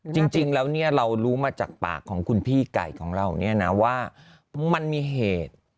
จริงแล้วเนี่ยเรารู้มาจากปากของคุณพี่ไก่ของเราเนี่ยนะว่ามันมีเหตุ